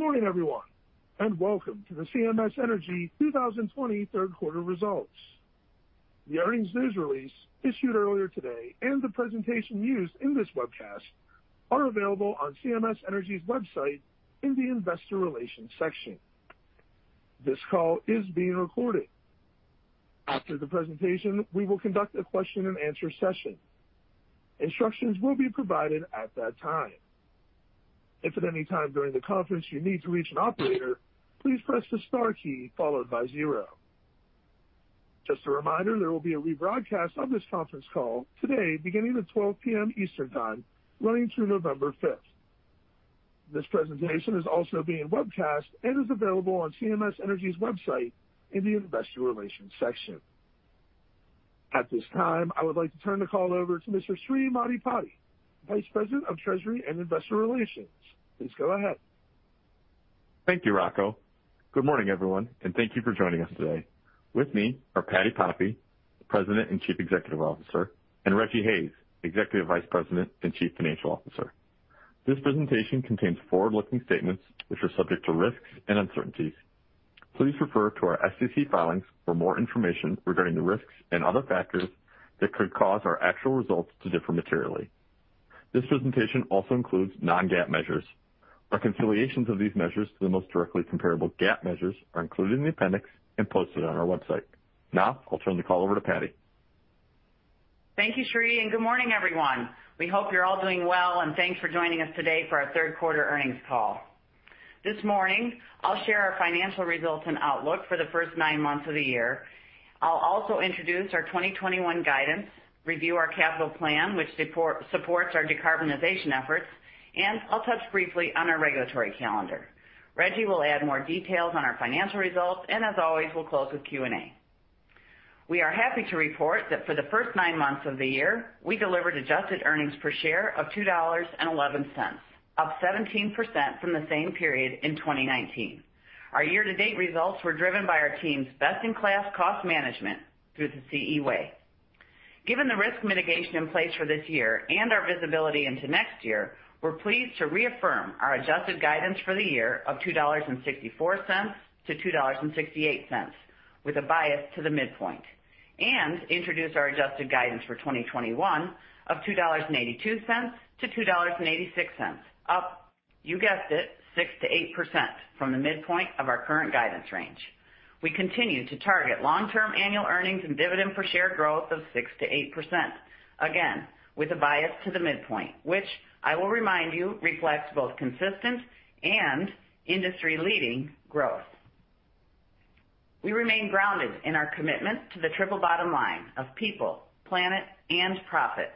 Good morning, everyone, and welcome to the CMS Energy 2020 third quarter results. The earnings news release issued earlier today and the presentation used in this webcast are available on CMS Energy's website in the investor relations section. This call is being recorded. After the presentation, we will conduct a question and answer session. Instructions will be provided at that time. Just a reminder, there will be a rebroadcast of this conference call today beginning at 12:00 P.M. Eastern Time, running through November 5th. This presentation is also being webcast and is available on CMS Energy's website in the investor relations section. At this time, I would like to turn the call over to Mr. Sri Maddipati, Vice President of Treasury and Investor Relations. Please go ahead. Thank you, Rocco. Good morning, everyone, and thank you for joining us today. With me are Patti Poppe, the President and Chief Executive Officer, and Rejji Hayes, Executive Vice President and Chief Financial Officer. This presentation contains forward-looking statements which are subject to risks and uncertainties. Please refer to our SEC filings for more information regarding the risks and other factors that could cause our actual results to differ materially. This presentation also includes non-GAAP measures. Reconciliations of these measures to the most directly comparable GAAP measures are included in the appendix and posted on our website. Now, I'll turn the call over to Patti. Thank you, Sri, and good morning, everyone. We hope you're all doing well, and thanks for joining us today for our third quarter earnings call. This morning, I'll share our financial results and outlook for the first nine months of the year. I'll also introduce our 2021 guidance, review our capital plan, which supports our decarbonization efforts, and I'll touch briefly on our regulatory calendar. Rejji will add more details on our financial results, and as always, we'll close with Q and A. We are happy to report that for the first nine months of the year, we delivered adjusted earnings per share of $2.11, up 17% from the same period in 2019. Our year-to-date results were driven by our team's best-in-class cost management through the CE Way. Given the risk mitigation in place for this year and our visibility into next year, we're pleased to reaffirm our adjusted guidance for the year of $2.64-$2.68, with a bias to the midpoint, and introduce our adjusted guidance for 2021 of $2.82-$2.86, up, you guessed it, 6%-8% from the midpoint of our current guidance range. We continue to target long-term annual earnings and dividend per share growth of 6%-8%, again, with a bias to the midpoint, which I will remind you reflects both consistent and industry-leading growth. We remain grounded in our commitment to the triple bottom line of people, planet, and profit.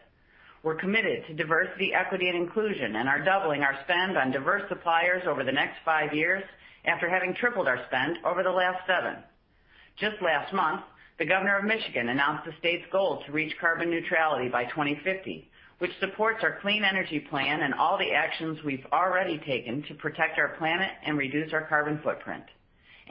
We're committed to diversity, equity, and inclusion and are doubling our spend on diverse suppliers over the next five years after having tripled our spend over the last seven. Just last month, the Governor of Michigan announced the state's goal to reach carbon neutrality by 2050, which supports our clean energy plan and all the actions we've already taken to protect our planet and reduce our carbon footprint.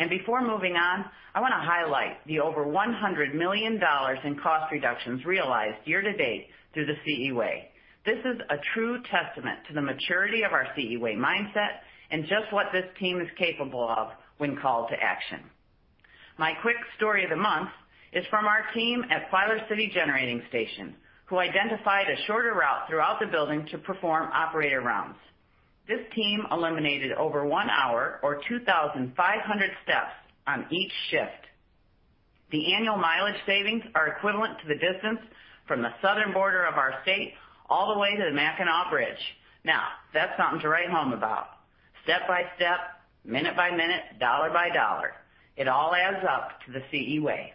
Before moving on, I want to highlight the over $100 million in cost reductions realized year to date through the CE Way. This is a true testament to the maturity of our CE Way mindset and just what this team is capable of when called to action. My quick story of the month is from our team at Filer City Station, who identified a shorter route throughout the building to perform operator rounds. This team eliminated over one hour or 2,500 steps on each shift. The annual mileage savings are equivalent to the distance from the southern border of our state all the way to the Mackinac Bridge. Now, that's something to write home about. Step by step, minute by minute, dollar by dollar, it all adds up to the CE Way.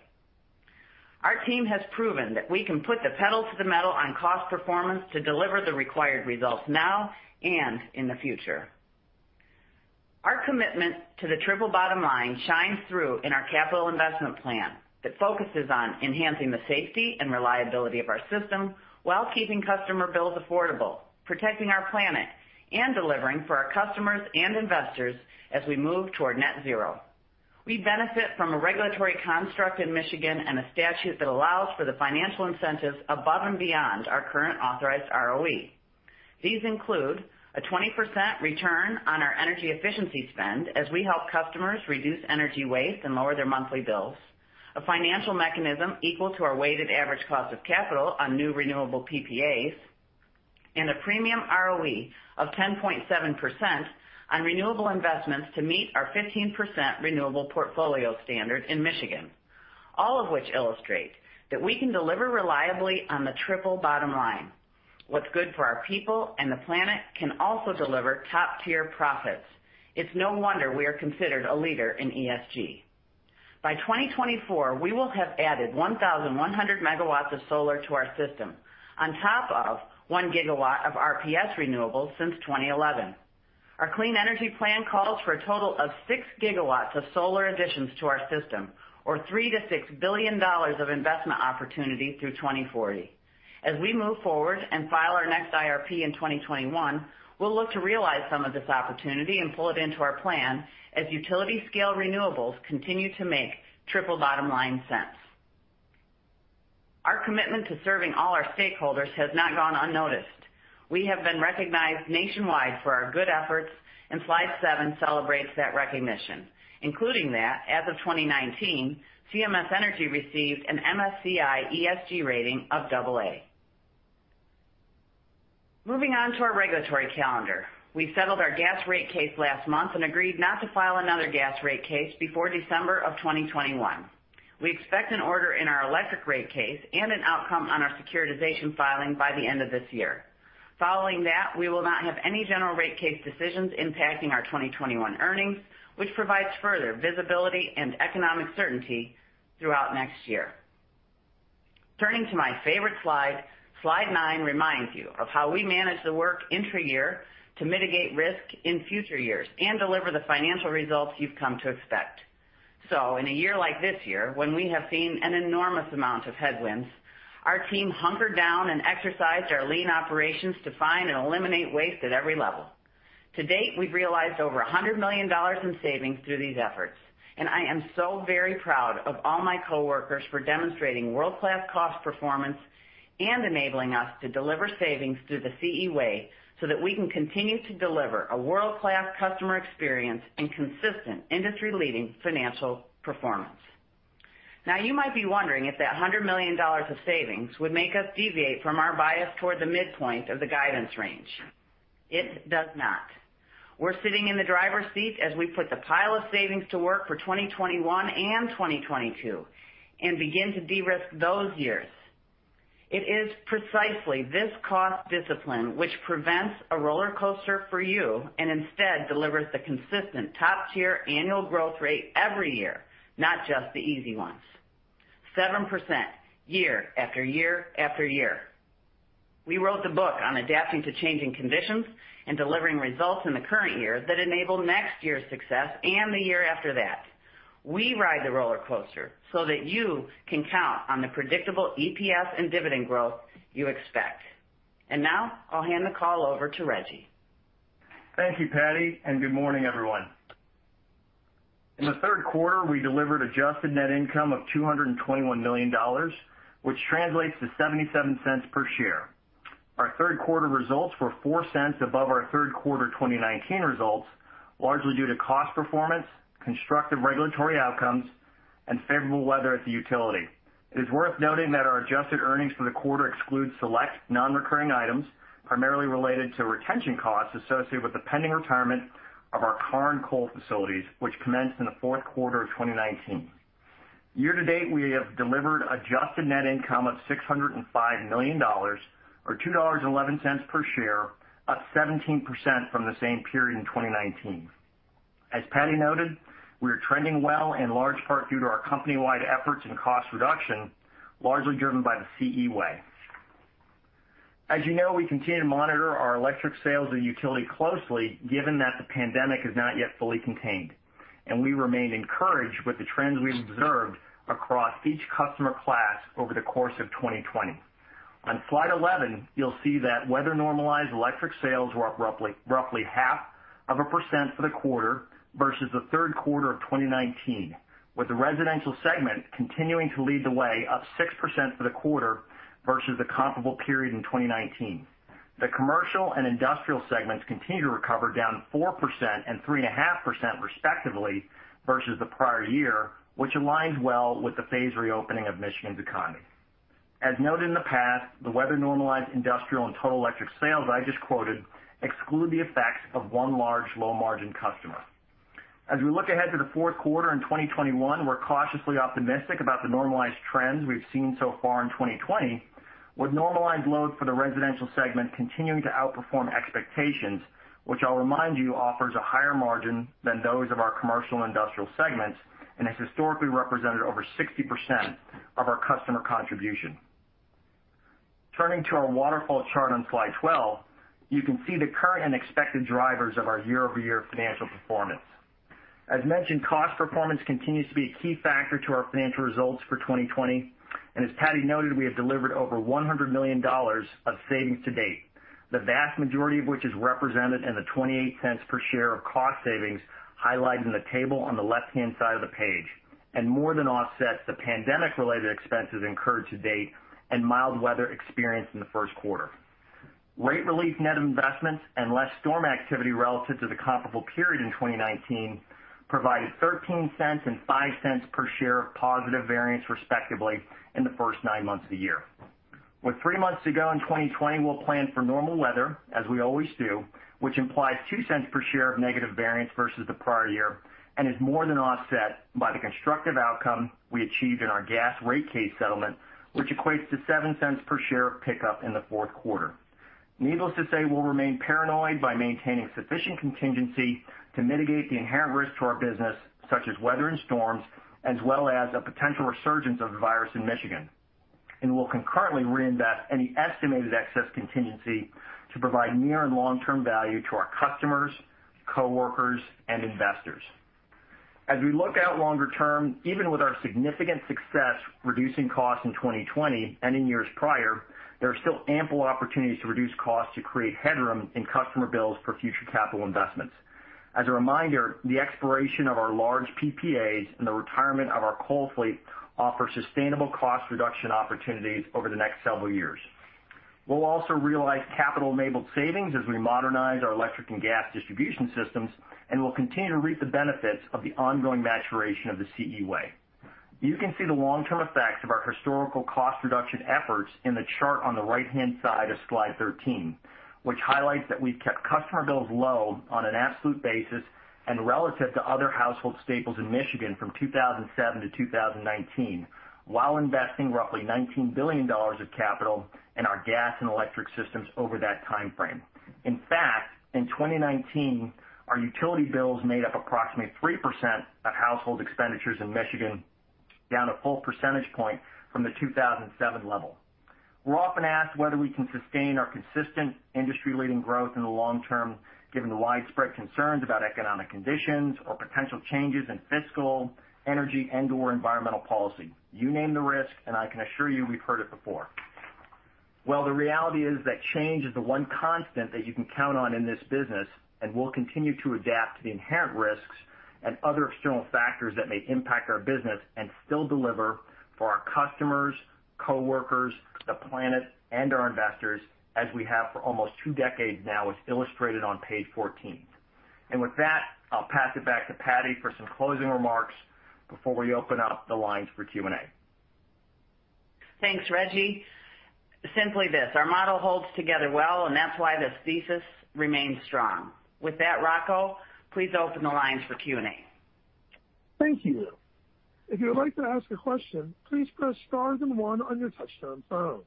Our team has proven that we can put the pedal to the metal on cost performance to deliver the required results now and in the future. Our commitment to the triple bottom line shines through in our capital investment plan that focuses on enhancing the safety and reliability of our system while keeping customer bills affordable, protecting our planet, and delivering for our customers and investors as we move toward net zero. We benefit from a regulatory construct in Michigan and a statute that allows for the financial incentives above and beyond our current authorized ROE. These include a 20% return on our energy efficiency spend as we help customers reduce energy waste and lower their monthly bills, a financial mechanism equal to our weighted average cost of capital on new renewable PPAs, and a premium ROE of 10.7% on renewable investments to meet our 15% renewable portfolio standard in Michigan. All of which illustrate that we can deliver reliably on the triple bottom line. What's good for our people and the planet can also deliver top-tier profits. It's no wonder we are considered a leader in ESG. By 2024, we will have added 1,100 MW of solar to our system on top of 1 GW of RPS renewables since 2011. Our Clean Energy Plan calls for a total of 6 GW of solar additions to our system or $3 billion-$6 billion of investment opportunity through 2040. As we move forward and file our next IRP in 2021, we'll look to realize some of this opportunity and pull it into our plan as utility-scale renewables continue to make triple bottom line sense. Our commitment to serving all our stakeholders has not gone unnoticed. We have been recognized nationwide for our good efforts. Slide seven celebrates that recognition, including that, as of 2019, CMS Energy received an MSCI ESG rating of AA. Moving on to our regulatory calendar. We settled our gas rate case last month and agreed not to file another gas rate case before December of 2021. We expect an order in our electric rate case and an outcome on our securitization filing by the end of this year. Following that, we will not have any general rate case decisions impacting our 2021 earnings, which provides further visibility and economic certainty throughout next year. Turning to my favorite slide nine reminds you of how we manage the work intra-year to mitigate risk in future years and deliver the financial results you've come to expect. In a year like this year, when we have seen an enormous amount of headwinds, our team hunkered down and exercised our lean operations to find and eliminate waste at every level. To date, we've realized over $100 million in savings through these efforts, and I am so very proud of all my coworkers for demonstrating world-class cost performance and enabling us to deliver savings through the CE Way so that we can continue to deliver a world-class customer experience and consistent industry-leading financial performance. Now, you might be wondering if that $100 million of savings would make us deviate from our bias toward the midpoint of the guidance range. It does not. We're sitting in the driver's seat as we put the pile of savings to work for 2021 and 2022 and begin to de-risk those years. Instead delivers the consistent top-tier annual growth rate every year, not just the easy ones. 7% year after year after year. We wrote the book on adapting to changing conditions and delivering results in the current year that enable next year's success and the year after that. We ride the roller coaster so that you can count on the predictable EPS and dividend growth you expect. Now I'll hand the call over to Rejji. Thank you, Patti, and good morning, everyone. In the third quarter, we delivered adjusted net income of $221 million, which translates to $0.77 per share. Our third-quarter results were $0.04 above our third quarter 2019 results, largely due to cost performance, constructive regulatory outcomes, and favorable weather at the utility. It is worth noting that our adjusted earnings for the quarter exclude select non-recurring items, primarily related to retention costs associated with the pending retirement of our current coal facilities, which commenced in the fourth quarter of 2019. Year-to-date, we have delivered adjusted net income of $605 million, or $2.11 per share, up 17% from the same period in 2019. As Patti noted, we are trending well, in large part due to our company-wide efforts in cost reduction, largely driven by the CE Way. As you know, we continue to monitor our electric sales and utility closely, given that the pandemic is not yet fully contained. We remain encouraged with the trends we've observed across each customer class over the course of 2020. On slide 11, you'll see that weather-normalized electric sales were up roughly half of a percent for the quarter versus the third quarter of 2019, with the residential segment continuing to lead the way, up 6% for the quarter versus the comparable period in 2019. The commercial and industrial segments continue to recover, down 4% and 3.5% respectively versus the prior year, which aligns well with the phased reopening of Michigan's economy. As noted in the past, the weather-normalized industrial and total electric sales I just quoted exclude the effects of one large low-margin customer. As we look ahead to the fourth quarter in 2021, we're cautiously optimistic about the normalized trends we've seen so far in 2020, with normalized load for the residential segment continuing to outperform expectations, which I'll remind you, offers a higher margin than those of our commercial and industrial segments and has historically represented over 60% of our customer contribution. Turning to our waterfall chart on slide 12, you can see the current and expected drivers of our year-over-year financial performance. As mentioned, cost performance continues to be a key factor to our financial results for 2020, and as Patti noted, we have delivered over $100 million of savings to date. The vast majority of which is represented in the $0.28 per share of cost savings highlighted in the table on the left-hand side of the page, and more than offsets the pandemic-related expenses incurred to date and mild weather experienced in the first quarter. Rate relief, net investments, and less storm activity relative to the comparable period in 2019 provided $0.13 and $0.05 per share of positive variance respectively, in the first nine months of the year. With three months to go in 2020, we'll plan for normal weather, as we always do, which implies $0.02 per share of negative variance versus the prior year and is more than offset by the constructive outcome we achieved in our gas rate case settlement, which equates to $0.07 per share of pickup in the fourth quarter. Needless to say, we'll remain paranoid by maintaining sufficient contingency to mitigate the inherent risk to our business, such as weather and storms, as well as a potential resurgence of the virus in Michigan. We'll concurrently reinvest any estimated excess contingency to provide near and long-term value to our customers, coworkers, and investors. As we look out longer term, even with our significant success reducing costs in 2020 and in years prior, there are still ample opportunities to reduce costs to create headroom in customer bills for future capital investments. As a reminder, the expiration of our large PPAs and the retirement of our coal fleet offer sustainable cost reduction opportunities over the next several years. We'll also realize capital-enabled savings as we modernize our electric and gas distribution systems, and we'll continue to reap the benefits of the ongoing maturation of the CE Way. You can see the long-term effects of our historical cost reduction efforts in the chart on the right-hand side of slide 13, which highlights that we've kept customer bills low on an absolute basis and relative to other household staples in Michigan from 2007 to 2019, while investing roughly $19 billion of capital in our gas and electric systems over that timeframe. In fact, in 2019, our utility bills made up approximately 3% of household expenditures in Michigan, down a full percentage point from the 2007 level. We're often asked whether we can sustain our consistent industry-leading growth in the long term, given the widespread concerns about economic conditions or potential changes in fiscal, energy, and/or environmental policy. You name the risk, and I can assure you we've heard it before. Well, the reality is that change is the one constant that you can count on in this business. We'll continue to adapt to the inherent risks and other external factors that may impact our business and still deliver for our customers, coworkers, the planet, and our investors, as we have for almost two decades now, as illustrated on page 14. With that, I'll pass it back to Patti for some closing remarks before we open up the lines for Q and A. Thanks, Rejji. Simply this, our model holds together well. That's why this thesis remains strong. With that, Rocco, please open the lines for Q and A. Thank you. If you would like to ask a question, please press star then one on your touch-tone phone.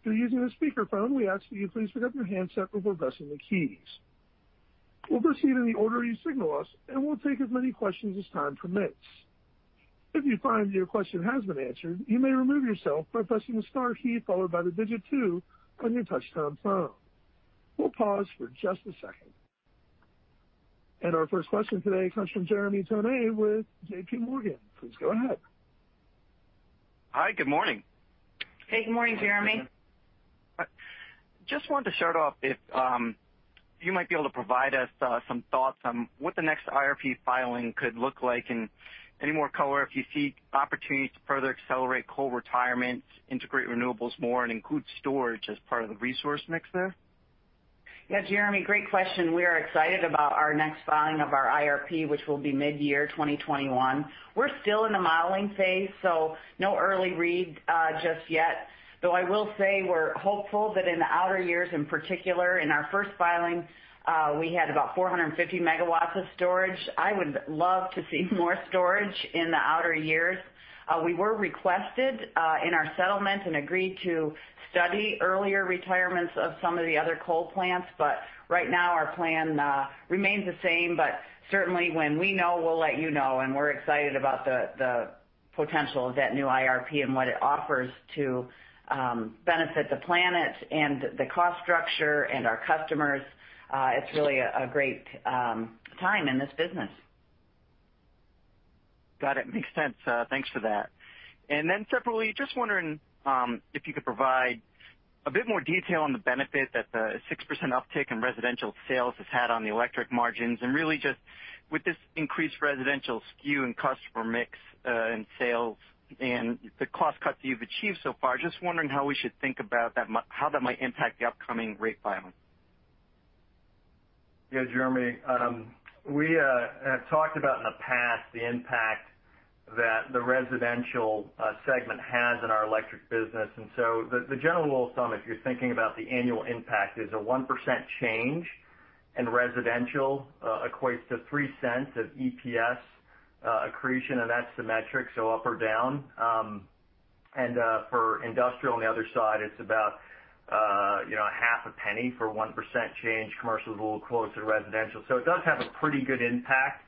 If you're using a speakerphone, we ask that you please pick up your handset before pressing the keys. We'll proceed in the order you signal us, and we'll take as many questions as time permits. If you find your question has been answered, you may remove yourself by pressing the star key followed by the digit two on your touch-tone phone. We'll pause for just a second. Our first question today comes from Jeremy Tonet with JPMorgan. Please go ahead. Hi, good morning. Hey, good morning, Jeremy. Just wanted to start off if you might be able to provide us some thoughts on what the next IRP filing could look like, and any more color if you see opportunities to further accelerate coal retirement, integrate renewables more, and include storage as part of the resource mix there? Yeah, Jeremy, great question. We are excited about our next filing of our IRP, which will be mid-year 2021. We're still in the modeling phase, no early read just yet. Though I will say we're hopeful that in the outer years in particular, in our first filing, we had about 450 MW of storage. I would love to see more storage in the outer years. We were requested in our settlement and agreed to study earlier retirements of some of the other coal plants. Right now, our plan remains the same. Certainly, when we know, we'll let you know, and we're excited about the potential of that new IRP and what it offers to benefit the planet and the cost structure and our customers. It's really a great time in this business. Got it. Makes sense. Thanks for that. Separately, just wondering if you could provide a bit more detail on the benefit that the 6% uptick in residential sales has had on the electric margins, and really just with this increased residential skew in customer mix, in sales, and the cost cuts you've achieved so far, just wondering how we should think about how that might impact the upcoming rate filing. Jeremy. We have talked about in the past the impact that the residential segment has in our electric business. The general rule of thumb, if you're thinking about the annual impact, is a 1% change in residential equates to $0.03 of EPS accretion, and that's the metric, so up or down. For industrial on the other side, it's about $0.005 for 1% change. Commercial's a little closer to residential. It does have a pretty good impact.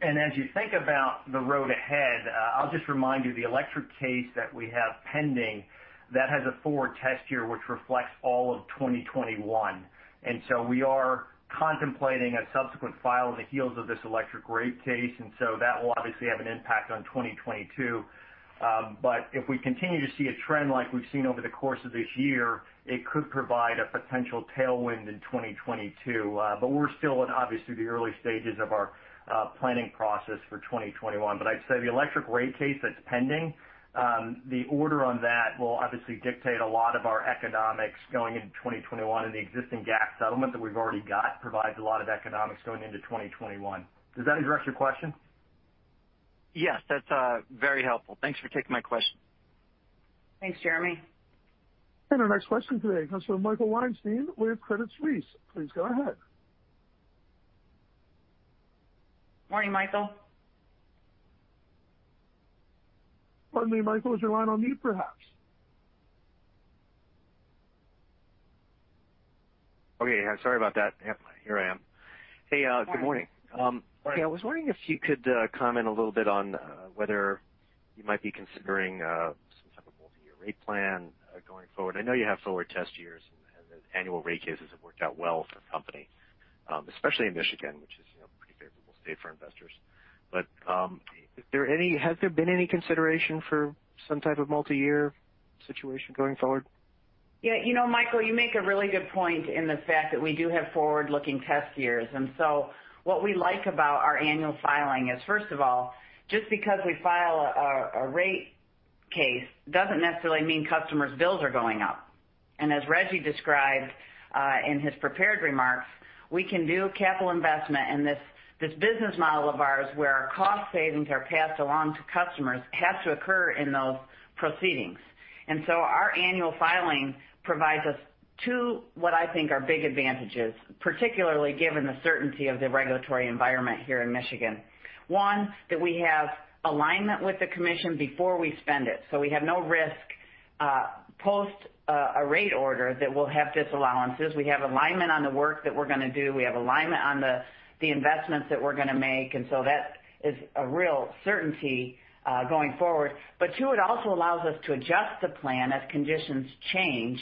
As you think about the road ahead, I'll just remind you, the electric case that we have pending, that has a forward test year which reflects all of 2021. We are contemplating a subsequent file in the heels of this electric rate case, that will obviously have an impact on 2022. If we continue to see a trend like we've seen over the course of this year, it could provide a potential tailwind in 2022. We're still in, obviously, the early stages of our planning process for 2021. I'd say the electric rate case that's pending, the order on that will obviously dictate a lot of our economics going into 2021, and the existing gas settlement that we've already got provides a lot of economics going into 2021. Does that address your question? Yes, that's very helpful. Thanks for taking my question. Thanks, Jeremy. Our next question today comes from Michael Weinstein with Credit Suisse. Please go ahead. Morning, Michael. Pardon me, Michael. Is your line on mute perhaps? Okay. Sorry about that. Yep, here I am. Yeah Good morning. Morning. I was wondering if you could comment a little bit on whether you might be considering some type of multi-year rate plan going forward. I know you have forward test years, and the annual rate cases have worked out well for the company, especially in Michigan, which is a pretty favorable state for investors. Has there been any consideration for some type of multi-year situation going forward? Yeah. Michael, you make a really good point in the fact that we do have forward-looking test years. What we like about our annual filing is, first of all, just because we file a rate case doesn't necessarily mean customers' bills are going up. As Rejji described in his prepared remarks, we can do capital investment, and this business model of ours where our cost savings are passed along to customers has to occur in those proceedings. Our annual filing provides us two, what I think are big advantages, particularly given the certainty of the regulatory environment here in Michigan. One, that we have alignment with the commission before we spend it, so we have no risk post a rate order that will have disallowances. We have alignment on the work that we're going to do. We have alignment on the investments that we're going to make. That is a real certainty going forward. Two, it also allows us to adjust the plan as conditions change,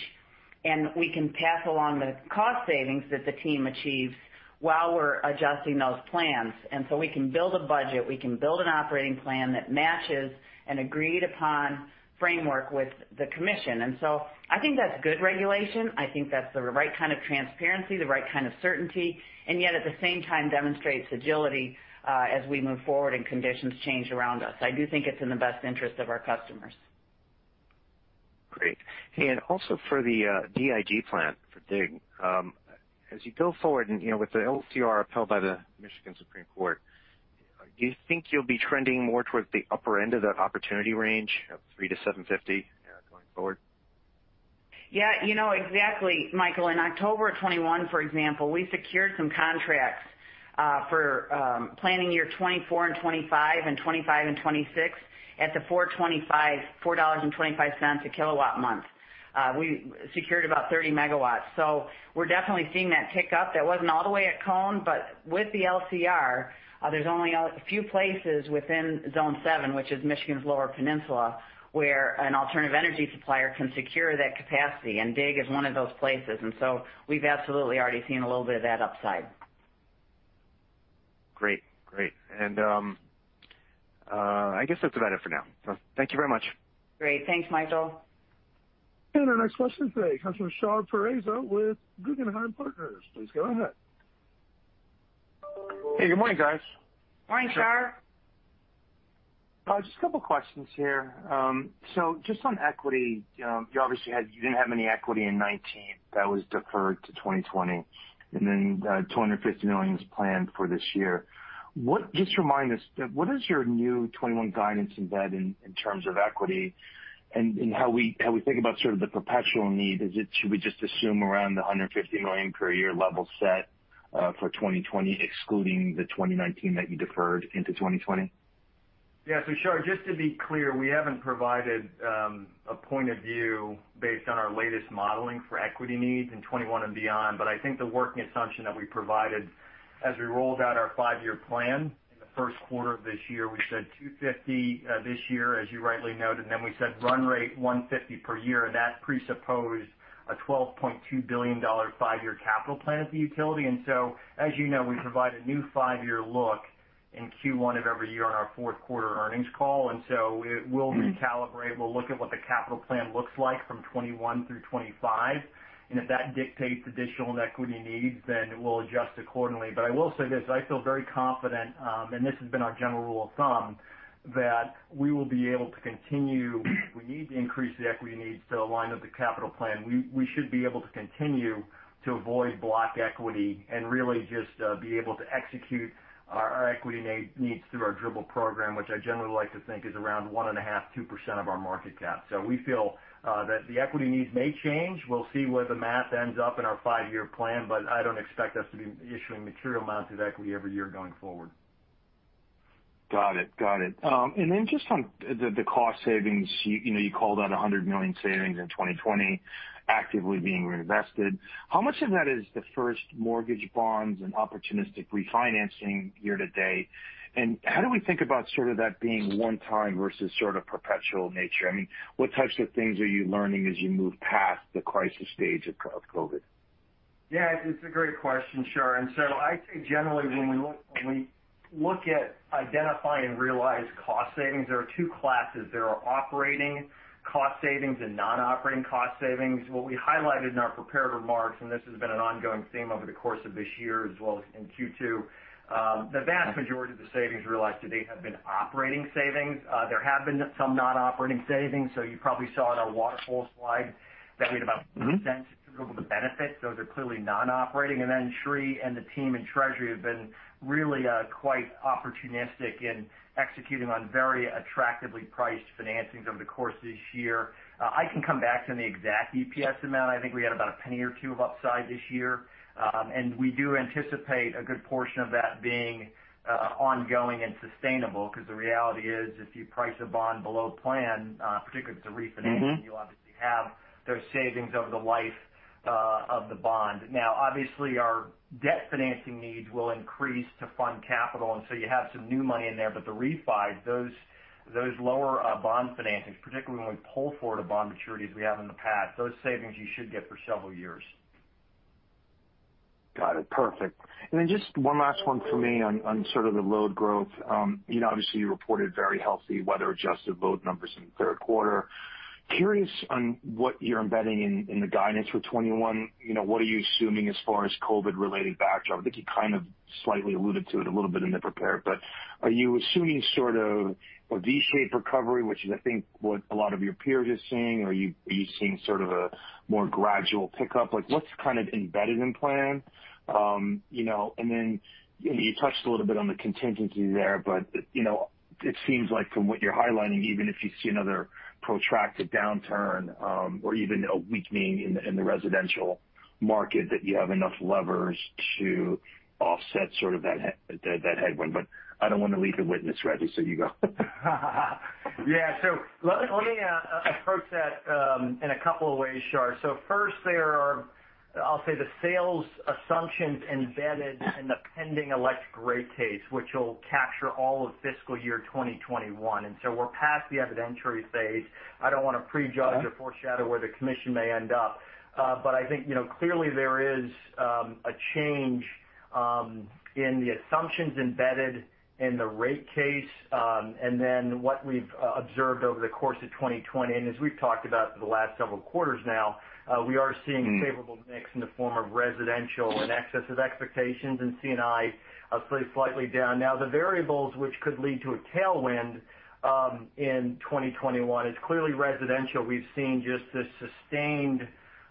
and we can pass along the cost savings that the team achieves while we're adjusting those plans. We can build a budget, we can build an operating plan that matches an agreed-upon framework with the commission. I think that's good regulation. I think that's the right kind of transparency, the right kind of certainty, and yet at the same time demonstrates agility as we move forward and conditions change around us. I do think it's in the best interest of our customers. Great. Also for the DIG plant, for DIG, as you go forward and with the LCR upheld by the Michigan Supreme Court, do you think you'll be trending more towards the upper end of that opportunity range of $3 to &7.50 going forward? Yeah, exactly, Michael. In October of 2021, for example, we secured some contracts for planning year 2024 and 2025 and 2025 and 2026 at the $4.25 a kilowatt month. We secured about 30 MW. We're definitely seeing that tick up. That wasn't all the way at CONE, but with the LCR, there's only a few places within Zone 7, which is Michigan's Lower Peninsula, where an alternative energy supplier can secure that capacity, and DIG is one of those places. We've absolutely already seen a little bit of that upside. Great. I guess that's about it for now. Thank you very much. Great. Thanks, Michael. Our next question today comes from Shar Pourreza with Guggenheim Partners. Please go ahead. Hey, good morning, guys. Morning, Shar. Just a couple of questions here. Just on equity, you obviously didn't have any equity in 2019. That was deferred to 2020. $250 million is planned for this year. Just remind us, what is your new 2021 guidance embed in terms of equity and in how we think about sort of the perpetual need? Should we just assume around the $150 million per year level set for 2020, excluding the 2019 that you deferred into 2020? Shar, we haven't provided a point of view based on our latest modeling for equity needs in 2021 and beyond. I think the working assumption that we provided as we rolled out our five-year plan in the first quarter of this year, we said $250 million this year, as you rightly noted, and then we said run rate $150 million per year, and that presupposed a $12.2 billion five-year capital plan at the utility. As you know, we provide a new five-year look in Q1 of every year on our fourth quarter earnings call. We'll recalibrate, we'll look at what the capital plan looks like from 2021 through 2025, and if that dictates additional equity needs, then we'll adjust accordingly. I will say this, I feel very confident, and this has been our general rule of thumb, that we will be able to continue. If we need to increase the equity needs to align with the capital plan, we should be able to continue to avoid block equity and really just be able to execute our equity needs through our dribble program, which I generally like to think is around 1.5%, 2% of our market cap. We feel that the equity needs may change. We'll see where the math ends up in our five-year plan, I don't expect us to be issuing material amounts of equity every year going forward. Got it. Just on the cost savings, you called out $100 million savings in 2020 actively being reinvested. How much of that is the first mortgage bonds and opportunistic refinancing year to date? How do we think about sort of that being one time versus sort of perpetual nature? I mean, what types of things are you learning as you move past the crisis stage of COVID? Yeah, it's a great question, Shar. I say, generally, when we look at identify and realize cost savings, there are two classes. There are operating cost savings and non-operating cost savings. What we highlighted in our prepared remarks, and this has been an ongoing theme over the course of this year as well as in Q2, the vast majority of the savings realized to date have been operating savings. There have been some non-operating savings. You probably saw in our waterfall slide that we had about cents of total benefit. Those are clearly non-operating. Sri and the team in treasury have been really quite opportunistic in executing on very attractively priced financings over the course of this year. I can come back on the exact EPS amount. I think we had about $0.01 or $0.02 of upside this year. We do anticipate a good portion of that being ongoing and sustainable because the reality is, if you price a bond below plan, particularly if it's a refinance. You'll obviously have those savings over the life of the bond. Obviously, our debt financing needs will increase to fund capital. You have some new money in there. The refi, those lower bond financings, particularly when we pull forward a bond maturity as we have in the past, those savings you should get for several years. Got it. Perfect. Just one last one for me on sort of the load growth. Obviously, you reported very healthy weather-adjusted load numbers in the third quarter. Curious on what you're embedding in the guidance for 2021. What are you assuming as far as COVID-related backdrop? I think you slightly alluded to it a little bit in the prepared, are you assuming a V-shaped recovery, which is, I think, what a lot of your peers are seeing? Are you seeing a more gradual pickup? What's embedded in plan? You touched a little bit on the contingency there. It seems like from what you're highlighting, even if you see another protracted downturn or even a weakening in the residential market, that you have enough levers to offset that headwind. I don't want to leave you witness, Rejji, you go. Yeah. Let me approach that in a couple of ways, Shar. First, there are, I'll say, the sales assumptions embedded in the pending electric rate case, which will capture all of fiscal year 2021. We're past the evidentiary phase. I don't want to prejudge or foreshadow where the commission may end up. I think clearly there is a change in the assumptions embedded in the rate case. What we've observed over the course of 2020, and as we've talked about for the last several quarters now, we are seeing favorable mix in the form of residential in excess of expectations, and C&I slightly down. The variables which could lead to a tailwind in 2021 is clearly residential. We've seen just this sustained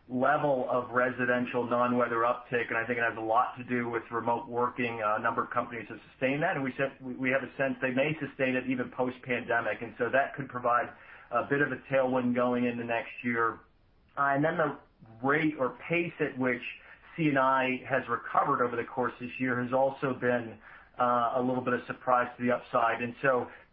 level of residential non-weather uptick, and I think it has a lot to do with remote working. A number of companies have sustained that, and we have a sense they may sustain it even post-pandemic, and so that could provide a bit of a tailwind going into next year. The rate or pace at which C&I has recovered over the course of this year has also been a little bit of surprise to the upside.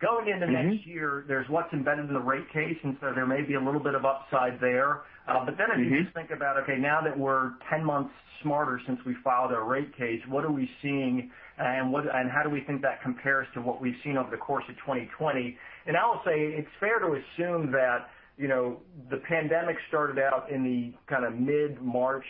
Going into next year, there's what's embedded in the rate case. There may be a little bit of upside there. If you think about, okay, now that we're 10 months smarter since we filed our rate case, what are we seeing and how do we think that compares to what we've seen over the course of 2020? I will say it's fair to assume that the pandemic started out in the mid-March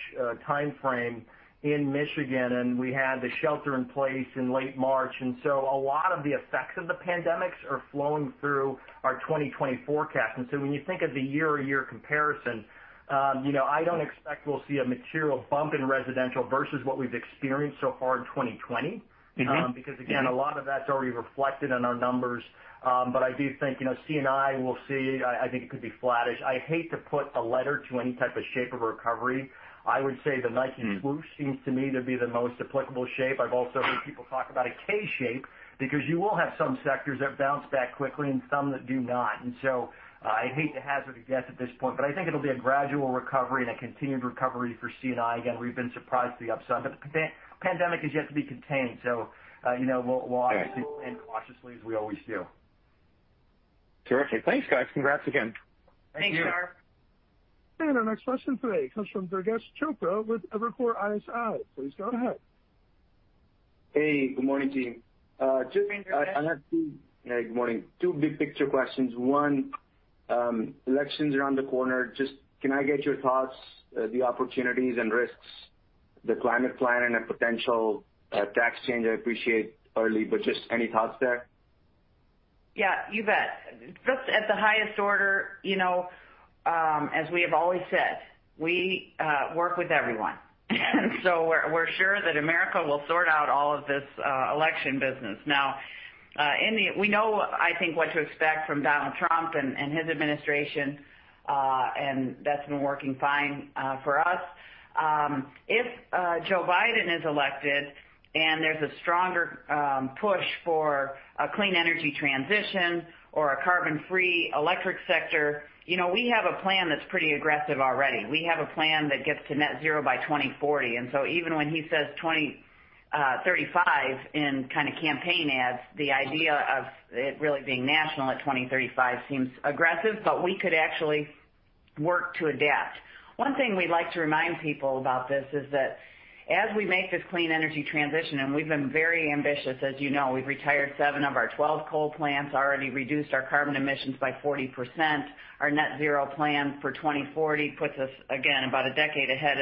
timeframe in Michigan, and we had the shelter in place in late March. A lot of the effects of the pandemics are flowing through our 2020 forecast. When you think of the year-over-year comparison, I don't expect we'll see a material bump in residential versus what we've experienced so far in 2020. Again, a lot of that's already reflected in our numbers. I do think C&I will see, I think it could be flattish. I hate to put a letter to any type of shape of a recovery. I would say the Nike swoosh seems to me to be the most applicable shape. I've also heard people talk about a K-shape because you will have some sectors that bounce back quickly and some that do not. I hate to hazard a guess at this point, but I think it'll be a gradual recovery and a continued recovery for C&I. We've been surprised to the upside, but the pandemic is yet to be contained, so we'll obviously plan cautiously, as we always do. Terrific. Thanks, guys. Congrats again. Thank you. Thanks, Shar. Our next question today comes from Durgesh Chopra with Evercore ISI. Please go ahead. Hey, good morning, team. Good morning, Durgesh. Yeah, good morning. Two big-picture questions. One, elections around the corner. Can I get your thoughts, the opportunities and risks, the climate plan, and the potential tax change? I appreciate early, just any thoughts there? Yeah, you bet. Just at the highest order, as we have always said, we work with everyone. We're sure that America will sort out all of this election business. Now, we know, I think, what to expect from Donald Trump and his administration, and that's been working fine for us. If Joe Biden is elected and there's a stronger push for a clean energy transition or a carbon-free electric sector, we have a plan that's pretty aggressive already. We have a plan that gets to net zero by 2040. Even when he says 2035 in kind of campaign ads, the idea of it really being national at 2035 seems aggressive, but we could actually work to adapt. One thing we like to remind people about this is that as we make this clean energy transition, we've been very ambitious as you know, we've retired seven of our 12 coal plants, already reduced our carbon emissions by 40%. Our net zero plan for 2040 puts us, again, about a decade ahead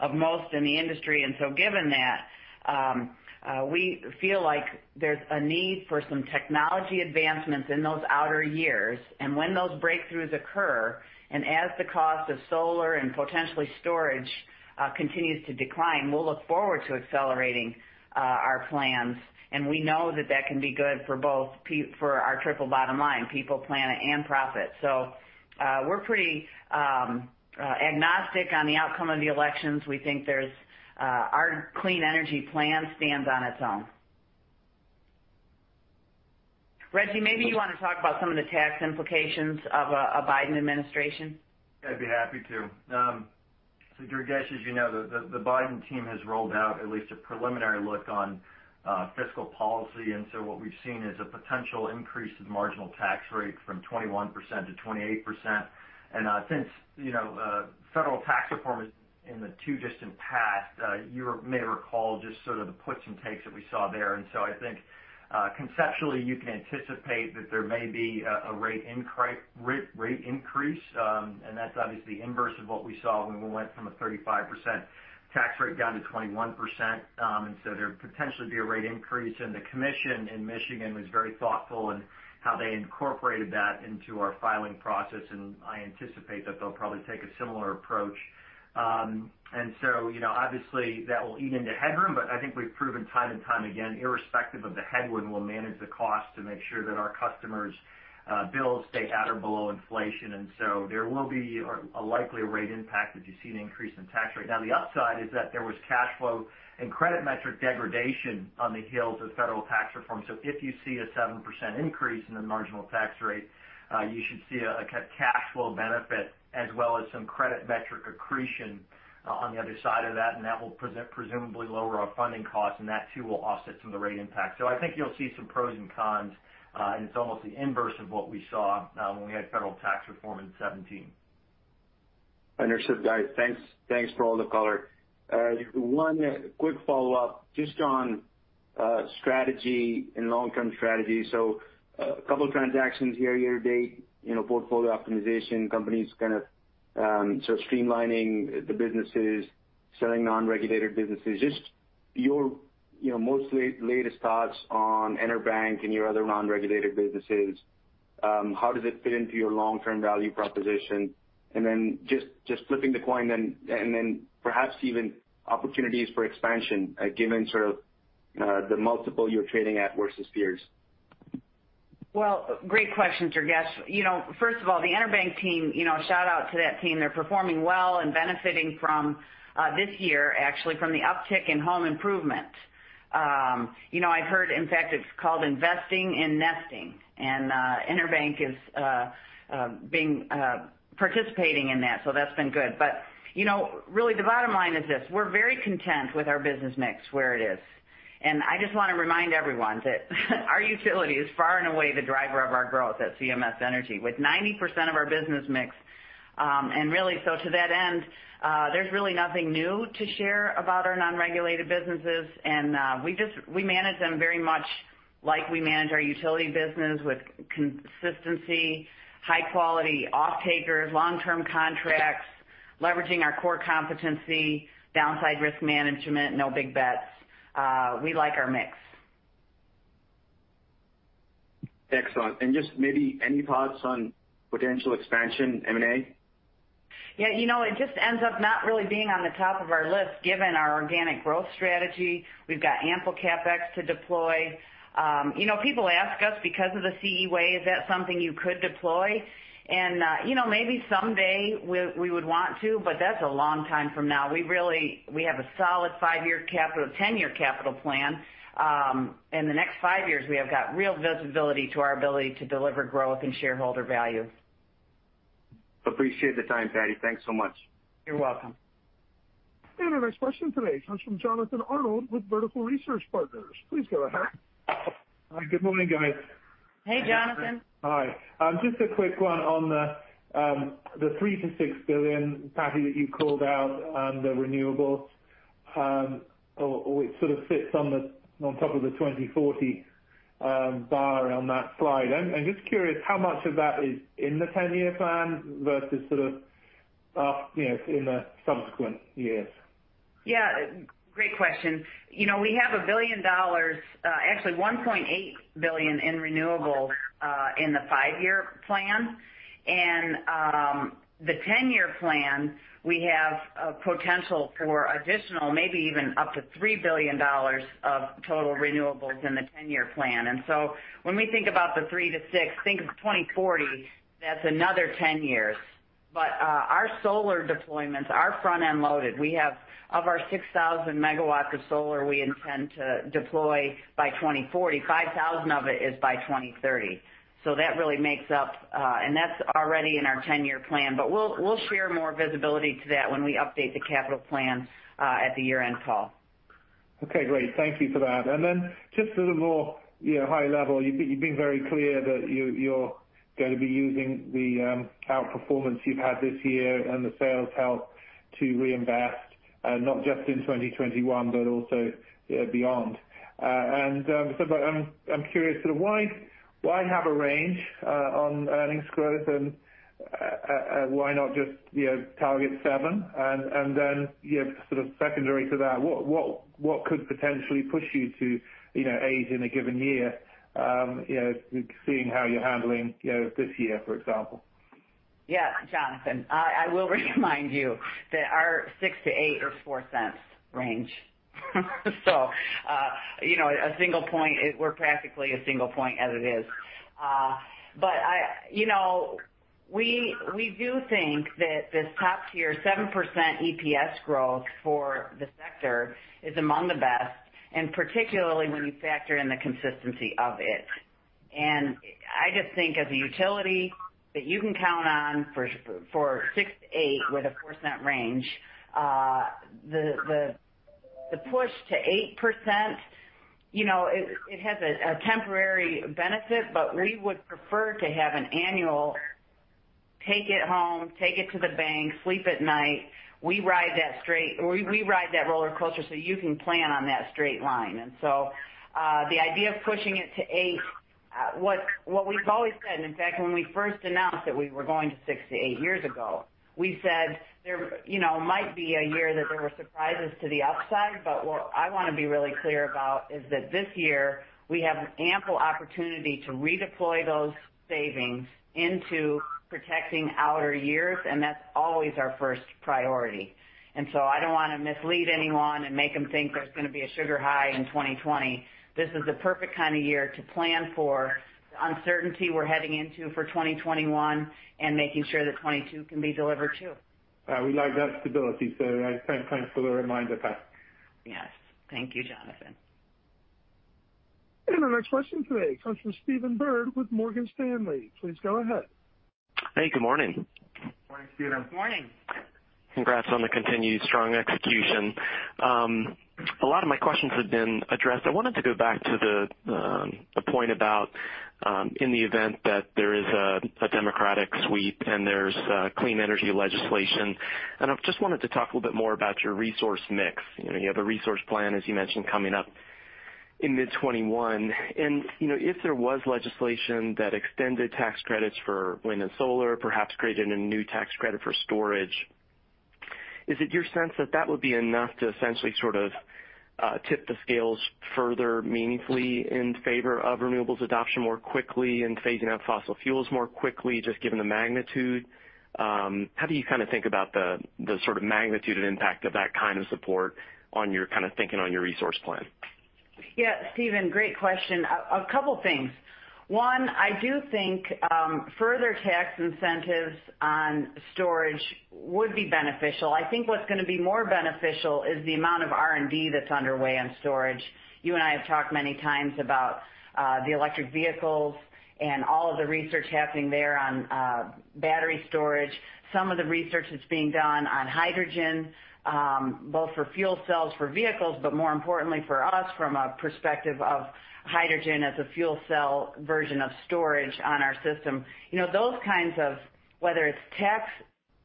of most in the industry. Given that, we feel like there's a need for some technology advancements in those outer years. When those breakthroughs occur, as the cost of solar and potentially storage continues to decline, we'll look forward to accelerating our plans. We know that that can be good for our triple bottom line, people, planet, and profit. We're pretty agnostic on the outcome of the elections. We think our clean energy plan stands on its own. Rejji, maybe you want to talk about some of the tax implications of a Biden administration? I'd be happy to. Durgesh, as you know, the Biden team has rolled out at least a preliminary look on fiscal policy. What we've seen is a potential increase in marginal tax rate from 21% to 28%. Since federal tax reform is in the too distant past, you may recall just sort of the puts and takes that we saw there. I think conceptually you can anticipate that there may be a rate increase, and that's obviously inverse of what we saw when we went from a 35% tax rate down to 21%. There'd potentially be a rate increase, and the commission in Michigan was very thoughtful in how they incorporated that into our filing process, and I anticipate that they'll probably take a similar approach. Obviously that will eat into headroom, but I think we've proven time and time again, irrespective of the headwind, we'll manage the cost to make sure that our customers' bills stay at or below inflation. There will be a likely rate impact if you see an increase in tax rate. Now, the upside is that there was cash flow and credit metric degradation on the heels of federal tax reform. If you see a 7% increase in the marginal tax rate, you should see a cash flow benefit as well as some credit metric accretion on the other side of that, and that will presumably lower our funding costs, and that too, will offset some of the rate impact. I think you'll see some pros and cons, and it's almost the inverse of what we saw when we had federal tax reform in 2017. Understood, guys. Thanks for all the color. One quick follow-up just on strategy and long-term strategy. A couple transactions year to date, portfolio optimization, companies kind of streamlining the businesses, selling non-regulated businesses. Just your most latest thoughts on EnerBank and your other non-regulated businesses. How does it fit into your long-term value proposition? Then just flipping the coin then, and then perhaps even opportunities for expansion, given sort of the multiple you're trading at versus peers. Great question, Durgesh. First of all, the EnerBank team, shout out to that team. They're performing well and benefiting from this year, actually from the uptick in home improvement. I've heard, in fact, it's called investing and nesting, and EnerBank is participating in that, so that's been good. Really the bottom line is this: we're very content with our business mix where it is. I just want to remind everyone that our utility is far and away the driver of our growth at CMS Energy, with 90% of our business mix. To that end, there's really nothing new to share about our non-regulated businesses. We manage them very much like we manage our utility business with consistency, high-quality off-takers, long-term contracts, leveraging our core competency, downside risk management, no big bets. We like our mix. Excellent. Just maybe any thoughts on potential expansion, M&A? Yeah, it just ends up not really being on the top of our list given our organic growth strategy. We've got ample CapEx to deploy. People ask us because of the CE Way, is that something you could deploy? Maybe someday we would want to, but that's a long time from now. We have a solid 10-year capital plan. In the next five years, we have got real visibility to our ability to deliver growth and shareholder value. Appreciate the time, Patti. Thanks so much. You're welcome. Our next question today comes from Jonathan Arnold with Vertical Research Partners. Please go ahead. Hi. Good morning, guys. Hey, Jonathan. Hi. Just a quick one on the $3 billion-$6 billion, Patti, that you called out on the renewables, or it sort of sits on top of the 2040 bar on that slide. I'm just curious how much of that is in the 10-year plan versus sort of up in the subsequent years? Yeah. Great question. We have $1 billion, actually $1.8 billion in renewables in the 5-year plan. The 10-year plan, we have a potential for additional, maybe even up to $3 billion of total renewables in the 10-year plan. When we think about the three to six, think of 2040, that's another 10 years. Our solar deployments are front-end loaded. Of our 6,000 MW of solar we intend to deploy by 2040, 5,000 of it is by 2030. That really makes up, and that's already in our 10-year plan. We'll share more visibility to that when we update the capital plan at the year-end call. Okay, great. Thank you for that. Just sort of more high level, you've been very clear that you're going to be using the outperformance you've had this year and the sales help to reinvest, not just in 2021, but also beyond. I'm curious sort of why have a range on earnings growth and why not just target seven? Sort of secondary to that, what could potentially push you to eight in a given year, seeing how you're handling this year, for example? Yeah, Jonathan, I will remind you that our 6%-8% is $0.04 range. We're practically a one point as it is. We do think that this top-tier 7% EPS growth for the sector is among the best, and particularly when you factor in the consistency of it. I just think as a utility that you can count on for 6%-8% with a $0.04 range, the push to 8%, it has a temporary benefit, we would prefer to have an annual take it home, take it to the bank, sleep at night. We ride that rollercoaster you can plan on that straight line. The idea of pushing it to 8%, what we've always said, and in fact, when we first announced that we were going to 6%-8% years ago, we said there might be a year that there were surprises to the upside. What I want to be really clear about is that this year we have ample opportunity to redeploy those savings into protecting outer years, and that's always our first priority. I don't want to mislead anyone and make them think there's going to be a sugar high in 2020. This is the perfect kind of year to plan for the uncertainty we're heading into for 2021 and making sure that 2022 can be delivered too. We like that stability. Thanks for the reminder, Patti. Yes. Thank you, Jonathan. Our next question today comes from Stephen Byrd with Morgan Stanley. Please go ahead. Hey, good morning. Morning, Stephen. Morning. Congrats on the continued strong execution. A lot of my questions have been addressed. I wanted to go back to the point about in the event that there is a Democratic sweep and there's clean energy legislation, and I just wanted to talk a little bit more about your resource mix. You have a resource plan, as you mentioned, coming up in mid 2021. If there was legislation that extended tax credits for wind and solar, perhaps created a new tax credit for storage, is it your sense that that would be enough to essentially sort of tip the scales further meaningfully in favor of renewables adoption more quickly and phasing out fossil fuels more quickly, just given the magnitude? How do you think about the sort of magnitude and impact of that kind of support on your thinking on your resource plan? Yeah. Stephen, great question. A couple things. One, I do think further tax incentives on storage would be beneficial. I think what's going to be more beneficial is the amount of R&D that's underway on storage. You and I have talked many times about the electric vehicles and all of the research happening there on battery storage. Some of the research that's being done on hydrogen both for fuel cells for vehicles, but more importantly for us from a perspective of hydrogen as a fuel cell version of storage on our system. Those kinds of, whether it's tax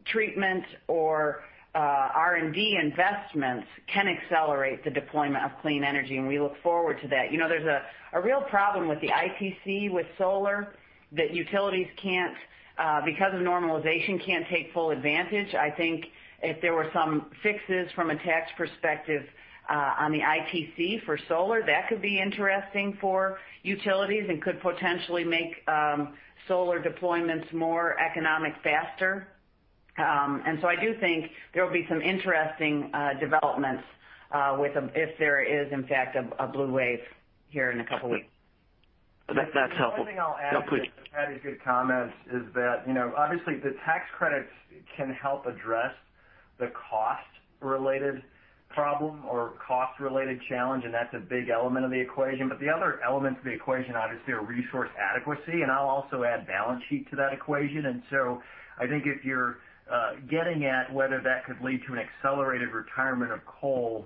treatments or R&D investments, can accelerate the deployment of clean energy, and we look forward to that. There's a real problem with the ITC with solar that utilities, because of normalization, can't take full advantage. I think if there were some fixes from a tax perspective on the ITC for solar, that could be interesting for utilities and could potentially make solar deployments more economic faster. I do think there will be some interesting developments if there is, in fact, a blue wave here in a couple weeks. That's helpful. One thing I'll add- No, please. To Patti's good comments is that obviously the tax credits can help address the cost-related problem or cost-related challenge, and that's a big element of the equation. The other element to the equation, obviously, are resource adequacy, and I'll also add balance sheet to that equation. I think if you're getting at whether that could lead to an accelerated retirement of coal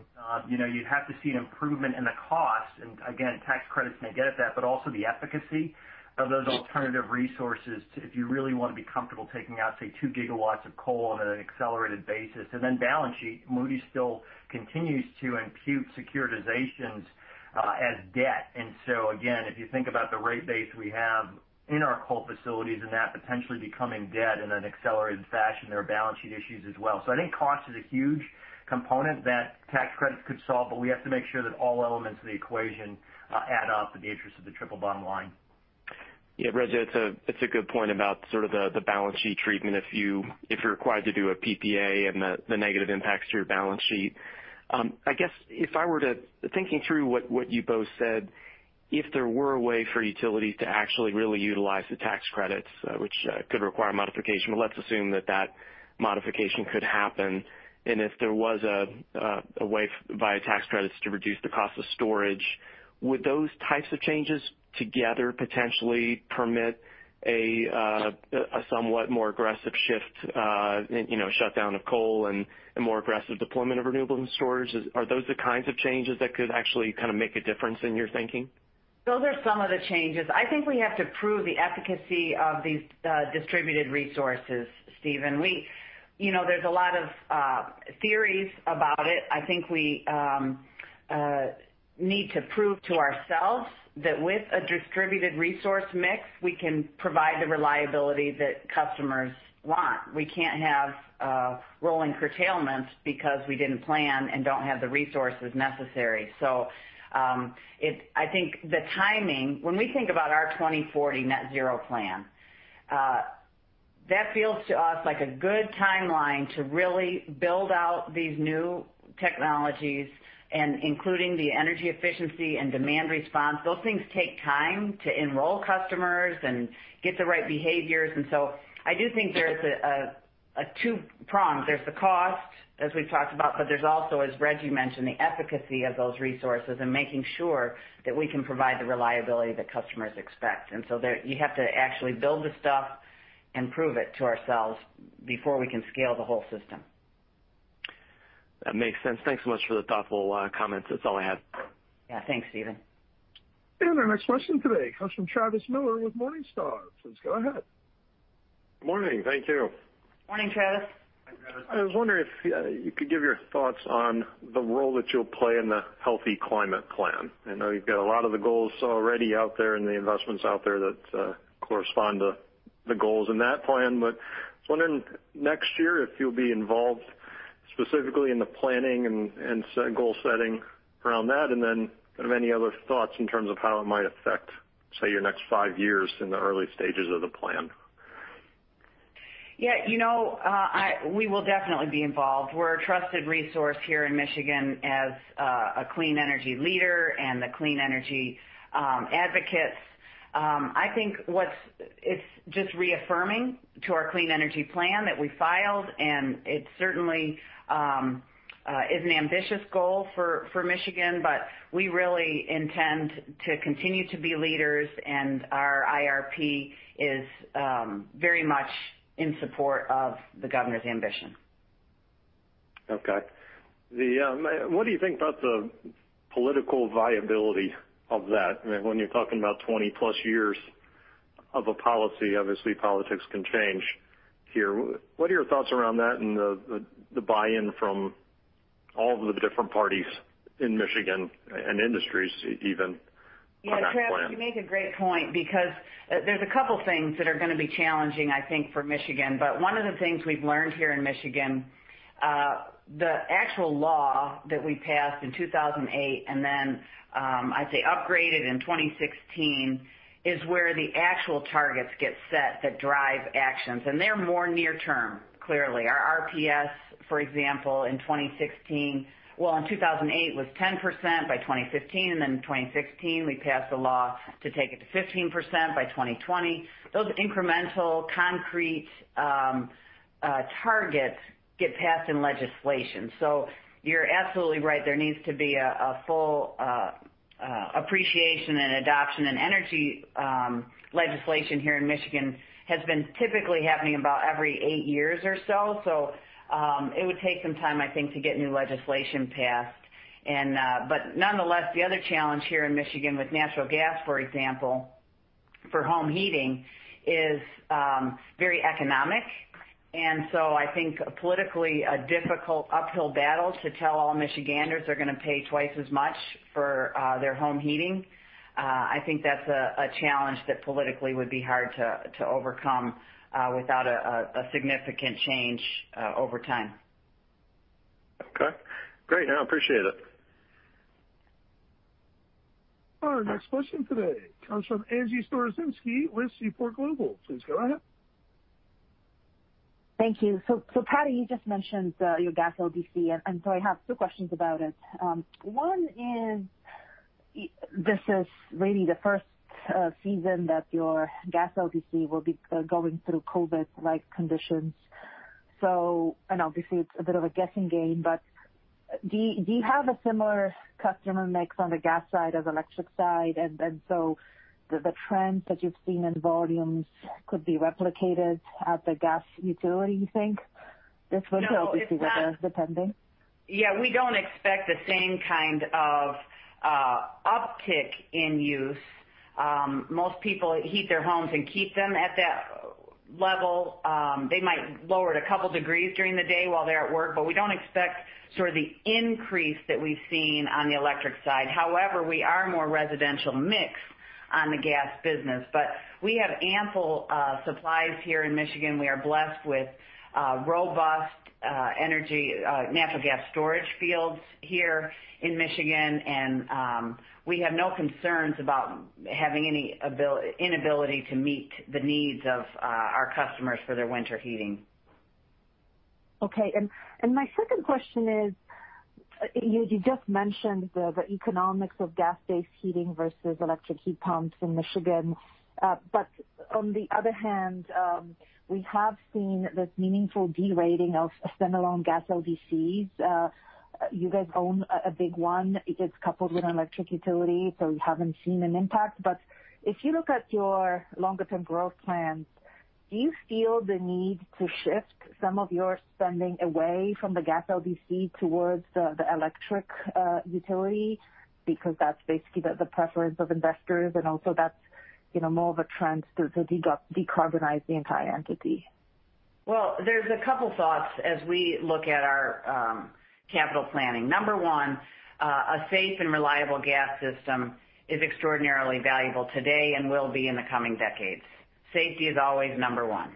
you'd have to see an improvement in the cost. Again, tax credits may get at that, but also the efficacy of those alternative resources if you really want to be comfortable taking out, say, two gigawatts of coal on an accelerated basis. Then balance sheet, Moody's still continues to impute securitizations as debt. Again, if you think about the rate base we have in our coal facilities and that potentially becoming debt in an accelerated fashion, there are balance sheet issues as well. I think cost is a huge component that tax credits could solve, but we have to make sure that all elements of the equation add up in the interest of the triple bottom line. Yeah, Rejji, that's a good point about sort of the balance sheet treatment if you're required to do a PPA and the negative impacts to your balance sheet. I guess thinking through what you both said, if there were a way for utilities to actually really utilize the tax credits, which could require modification, but let's assume that that modification could happen. If there was a way via tax credits to reduce the cost of storage, would those types of changes together potentially permit a somewhat more aggressive shift, shutdown of coal and a more aggressive deployment of renewable and storage? Are those the kinds of changes that could actually kind of make a difference in your thinking? Those are some of the changes. I think we have to prove the efficacy of these distributed resources, Stephen. There's a lot of theories about it. I think we need to prove to ourselves that with a distributed resource mix, we can provide the reliability that customers want. We can't have rolling curtailments because we didn't plan and don't have the resources necessary. I think the timing, when we think about our 2040 net zero plan, that feels to us like a good timeline to really build out these new technologies and including the energy efficiency and demand response. Those things take time to enroll customers and get the right behaviors. I do think there's a two-prong. There's the cost, as we've talked about, but there's also, as Rejji mentioned, the efficacy of those resources and making sure that we can provide the reliability that customers expect. You have to actually build the stuff and prove it to ourselves before we can scale the whole system. That makes sense. Thanks so much for the thoughtful comments. That's all I had. Yeah. Thanks, Stephen. Our next question today comes from Travis Miller with Morningstar. Please go ahead. Good morning. Thank you. Morning, Travis. I was wondering if you could give your thoughts on the role that you'll play in the Healthy Climate Plan. I know you've got a lot of the goals already out there and the investments out there that correspond to the goals in that plan. I was wondering next year if you'll be involved specifically in the planning and goal-setting around that, and then any other thoughts in terms of how it might affect, say, your next five years in the early stages of the plan? We will definitely be involved. We're a trusted resource here in Michigan as a clean energy leader and the clean energy advocates. I think it's just reaffirming to our clean energy plan that we filed, and it certainly is an ambitious goal for Michigan. We really intend to continue to be leaders, and our IRP is very much in support of the Governor's ambition. What do you think about the political viability of that? When you're talking about 20 plus years of a policy, obviously politics can change here. What are your thoughts around that and the buy-in from all of the different parties in Michigan and industries even on that plan? Travis, you make a great point because there's a couple things that are going to be challenging, I think, for Michigan. One of the things we've learned here in Michigan, the actual law that we passed in 2008, and then, I'd say upgraded in 2016, is where the actual targets get set that drive actions, and they're more near term, clearly. Our RPS, for example, in 2016, well, in 2008, it was 10% by 2015, and then in 2016, we passed a law to take it to 15% by 2020. Those incremental concrete targets get passed in legislation. You're absolutely right. There needs to be a full appreciation and adoption, and energy legislation here in Michigan has been typically happening about every eight years or so. It would take some time, I think, to get new legislation passed. Nonetheless, the other challenge here in Michigan with natural gas, for example, for home heating, is very economic, and so I think politically a difficult uphill battle to tell all Michiganders they're going to pay twice as much for their home heating. I think that's a challenge that politically would be hard to overcome without a significant change over time. Okay. Great. I appreciate it. Our next question today comes from Angie Storozynski with Seaport Global. Please go ahead. Thank you. Patti, you just mentioned your gas LDC. I have two questions about it. One is, this is really the first season that your gas LDC will be going through COVID-like conditions. I know, obviously, it's a bit of a guessing game, but do you have a similar customer mix on the gas side as electric side? The trends that you've seen in volumes could be replicated at the gas utility, you think? No, it's not. Obviously weather-dependent. Yeah, we don't expect the same kind of uptick in use. Most people heat their homes and keep them at that level. They might lower it a couple degrees during the day while they're at work, but we don't expect the increase that we've seen on the electric side. However, we are a more residential mix on the gas business. We have ample supplies here in Michigan. We are blessed with robust natural gas storage fields here in Michigan, and we have no concerns about having any inability to meet the needs of our customers for their winter heating. Okay. My second question is, you just mentioned the economics of gas-based heating versus electric heat pumps in Michigan. On the other hand, we have seen this meaningful de-rating of standalone gas LDCs. You guys own a big one. It is coupled with an electric utility, so you haven't seen an impact. If you look at your longer-term growth plans, do you feel the need to shift some of your spending away from the gas LDC towards the electric utility? That's basically the preference of investors, and also that's more of a trend to decarbonize the entire entity. Well, there's a couple thoughts as we look at our capital planning. Number one, a safe and reliable gas system is extraordinarily valuable today and will be in the coming decades. Safety is always number one.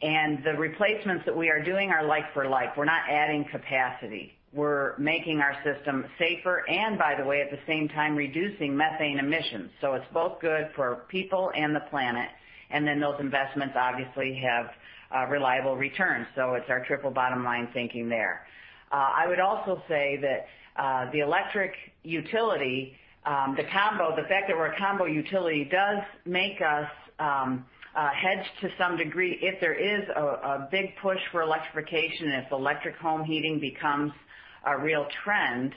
The replacements that we are doing are like for like. We're not adding capacity. We're making our system safer, and by the way, at the same time, reducing methane emissions. It's both good for people and the planet, and then those investments obviously have reliable returns. It's our triple bottom line thinking there. I would also say that the electric utility, the fact that we're a combo utility does make us hedged to some degree. If there is a big push for electrification, if electric home heating becomes a real trend,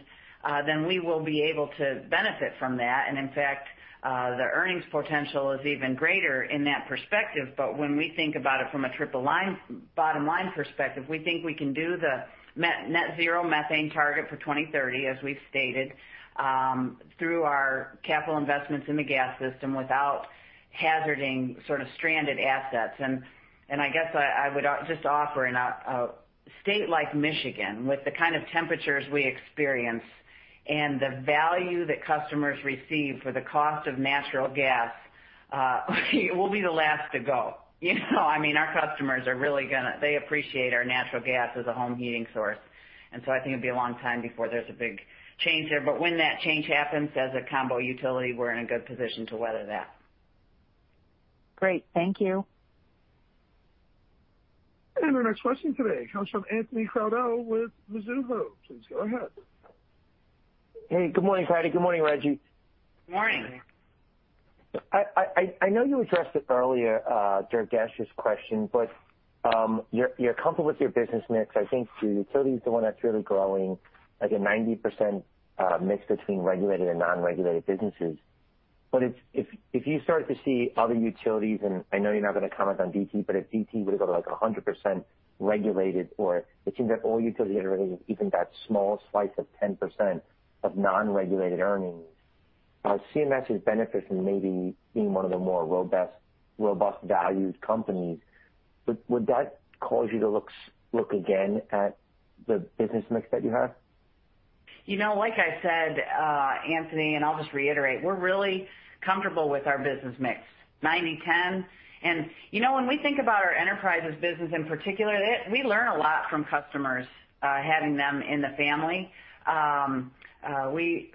then we will be able to benefit from that. In fact, the earnings potential is even greater in that perspective. When we think about it from a triple bottom line perspective, we think we can do the net zero methane target for 2030, as we've stated, through our capital investments in the gas system without hazarding stranded assets. I guess I would just offer a state like Michigan, with the kind of temperatures we experience and the value that customers receive for the cost of natural gas, we'll be the last to go. Our customers are really going to appreciate our natural gas as a home heating source. I think it'll be a long time before there's a big change there. When that change happens, as a combo utility, we're in a good position to weather that. Great. Thank you. Our next question today comes from Anthony Crowdell with Mizuho. Please go ahead. Hey, good morning, Patti. Good morning, Rejji. Morning. I know you addressed it earlier, Durgesh's question, but you're comfortable with your business mix. I think the utility is the one that's really growing at a 90% mix between regulated and non-regulated businesses. If you start to see other utilities, and I know you're not going to comment on DTE, but if DTE were to go to 100% regulated or it seems like all utilities are regulated, even that small slice of 10% of non-regulated earnings, CMS has benefited from maybe being one of the more robust-valued companies. Would that cause you to look again at the business mix that you have? Like I said, Anthony, and I'll just reiterate, we're really comfortable with our business mix, 90/10. When we think about our enterprises business in particular, we learn a lot from customers, having them in the family. We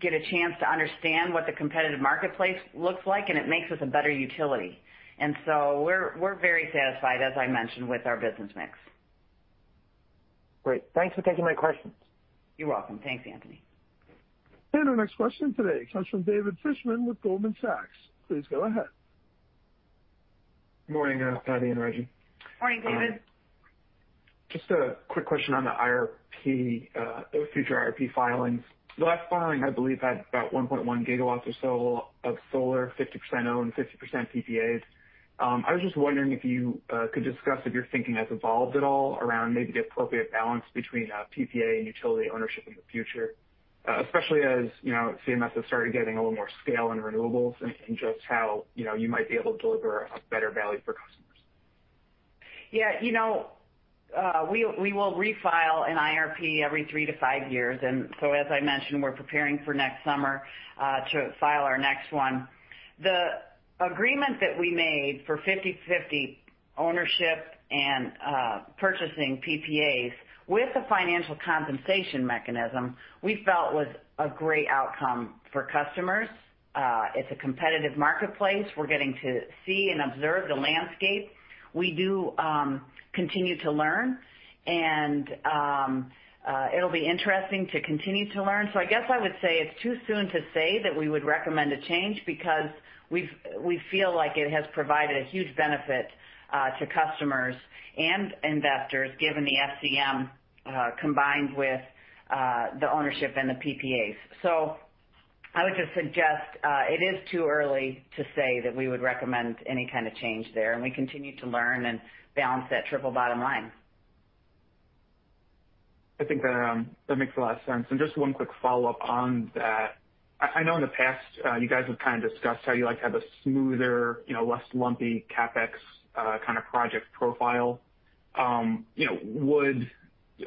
get a chance to understand what the competitive marketplace looks like, and it makes us a better utility. We're very satisfied, as I mentioned, with our business mix. Great. Thanks for taking my questions. You're welcome. Thanks, Anthony. Our next question today comes from David Fishman with Goldman Sachs. Please go ahead. Morning, Patti and Rejji. Morning, David. Just a quick question on the IRP, those future IRP filings. The last filing, I believe, had about 1.1 GW or so of solar, 50% owned, 50% PPAs. I was just wondering if you could discuss if your thinking has evolved at all around maybe the appropriate balance between PPA and utility ownership in the future, especially as CMS has started getting a little more scale in renewables and just how you might be able to deliver a better value for customers? Yeah. We will refile an IRP every three to five years. As I mentioned, we're preparing for next summer to file our next one. The agreement that we made for 50/50 ownership and purchasing PPAs with the financial compensation mechanism, we felt was a great outcome for customers. It's a competitive marketplace. We're getting to see and observe the landscape. We do continue to learn, and it'll be interesting to continue to learn. I guess I would say it's too soon to say that we would recommend a change because we feel like it has provided a huge benefit to customers and investors, given the FCM combined with the ownership and the PPAs. I would just suggest it is too early to say that we would recommend any kind of change there, and we continue to learn and balance that triple bottom line. I think that makes a lot of sense. Just one quick follow-up on that. I know in the past, you guys have kind of discussed how you have a smoother, less lumpy CapEx kind of project profile.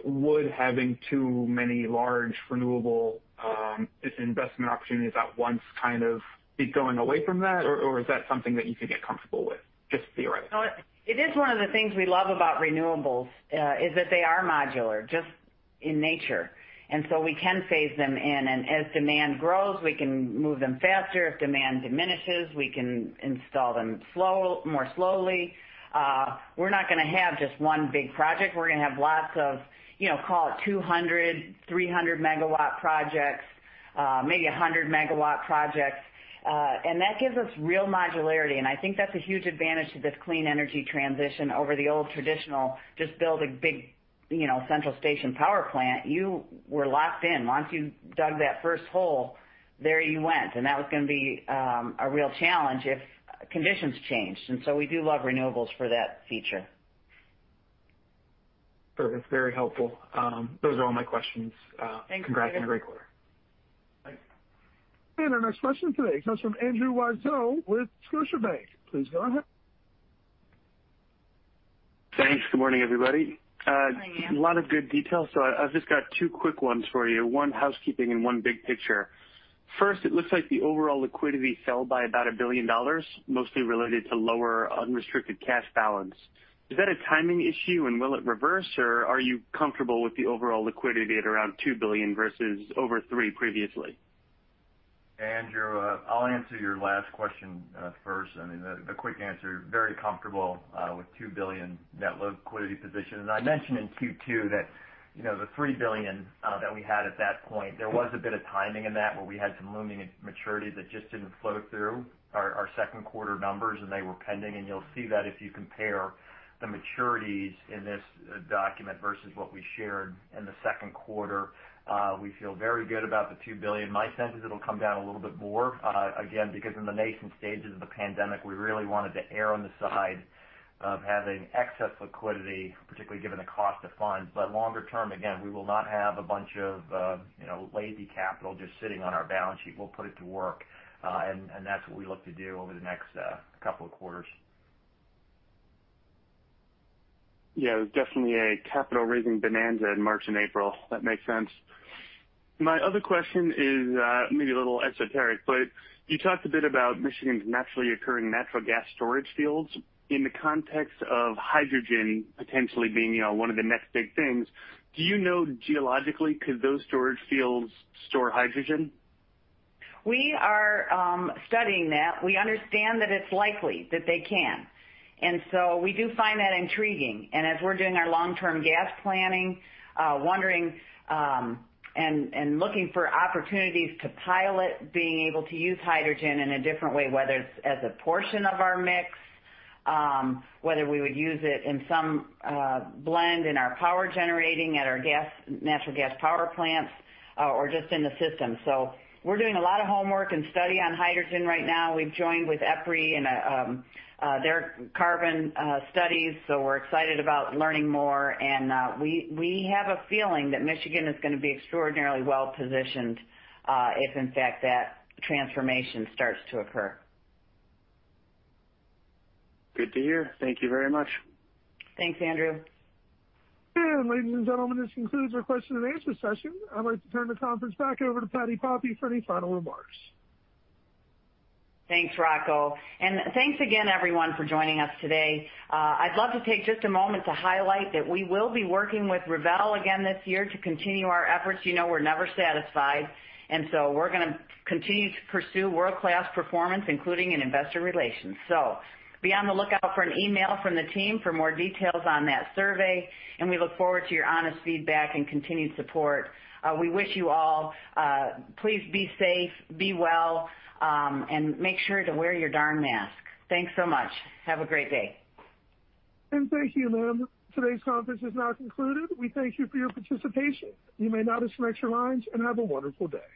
Would having too many large renewable investment opportunities at once kind of be going away from that, or is that something that you could get comfortable with? Just theorizing. It is one of the things we love about renewables, is that they are modular just in nature. We can phase them in, and as demand grows, we can move them faster. If demand diminishes, we can install them more slowly. We're not going to have just one big project. We're going to have lots of call it 200, 300 MW projects, maybe 100-megawatt projects. That gives us real modularity, and I think that's a huge advantage to this clean energy transition over the old traditional, just build a big central station power plant. You were locked in. Once you dug that first hole, there you went, and that was going to be a real challenge if conditions changed. We do love renewables for that feature. Perfect. Very helpful. Those are all my questions. Thanks. Congrats on a great quarter. Thanks. Our next question today comes from Andrew Weisel with Scotiabank. Please go ahead. Thanks. Good morning, everybody. Morning, Andrew. A lot of good details. I've just got two quick ones for you, one housekeeping and one big picture. First, it looks like the overall liquidity fell by about $1 billion, mostly related to lower unrestricted cash balance. Is that a timing issue, and will it reverse, or are you comfortable with the overall liquidity at around $2 billion versus over $3 previously? Andrew, I'll answer your last question first. I mean, the quick answer, very comfortable with $2 billion net liquidity position. As I mentioned in Q2 that the $3 billion that we had at that point, there was a bit of timing in that where we had some looming maturity that just didn't flow through our second quarter numbers, and they were pending, and you'll see that if you compare the maturities in this document versus what we shared in the second quarter. We feel very good about the $2 billion. My sense is it'll come down a little bit more. Because in the nascent stages of the pandemic, we really wanted to err on the side of having excess liquidity, particularly given the cost of funds. Longer term, again, we will not have a bunch of lazy capital just sitting on our balance sheet. We'll put it to work. That's what we look to do over the next couple of quarters. Yeah, it was definitely a capital-raising bonanza in March and April. That makes sense. My other question is maybe a little esoteric, but you talked a bit about Michigan's naturally occurring natural gas storage fields. In the context of hydrogen potentially being one of the next big things, do you know geologically could those storage fields store hydrogen? We are studying that. We understand that it's likely that they can, and so we do find that intriguing, and as we're doing our long-term gas planning, wondering and looking for opportunities to pilot being able to use hydrogen in a different way, whether it's as a portion of our mix, whether we would use it in some blend in our power generating at our natural gas power plants, or just in the system. We're doing a lot of homework and study on hydrogen right now. We've joined with EPRI in their carbon studies, so we're excited about learning more. We have a feeling that Michigan is going to be extraordinarily well-positioned if, in fact, that transformation starts to occur. Good to hear. Thank you very much. Thanks, Andrew. Ladies and gentlemen, this concludes our question-and-answer session. I'd like to turn the conference back over to Patti Poppe for any final remarks. Thanks, Rocco. Thanks again, everyone, for joining us today. I'd love to take just a moment to highlight that we will be working with Revel again this year to continue our efforts. You know we're never satisfied, and so we're going to continue to pursue world-class performance, including in investor relations. Be on the lookout for an email from the team for more details on that survey, and we look forward to your honest feedback and continued support. We wish you all, please be safe, be well, and make sure to wear your darn mask. Thanks so much. Have a great day. Thank you, ma'am. Today's conference is now concluded. We thank you for your participation. You may now disconnect your lines, and have a wonderful day.